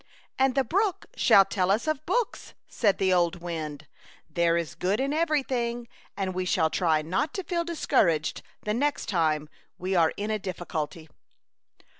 ''And the brook shall tell us of books,*' said the old wind. " There is good in everything, and we shall try not to feel discouraged the next time we are in a difficulty."